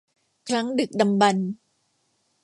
ครั้งดึกดำบรรพ์